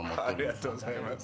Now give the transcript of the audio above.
ありがとうございます。